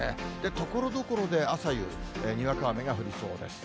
ところどころで、朝夕、にわか雨が降りそうです。